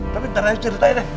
tapi ntar aja ceritain deh